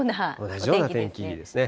同じような天気ですね。